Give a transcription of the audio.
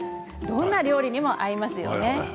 どんな料理にも合いますよね。